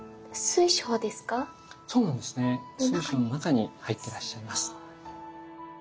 水晶の中に入ってらっしゃいます。